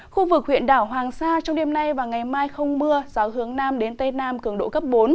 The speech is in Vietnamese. khu vực huyện đảo hoàng sa trong đêm nay và ngày mai không mưa rào hướng nam đến tây nam cường độ cấp bốn